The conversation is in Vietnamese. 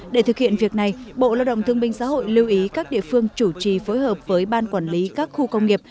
để thực hiện việc này bộ lao động thương minh xã hội lưu ý các địa phương chủ trì phối hợp với ban quản lý các khu công nghiệp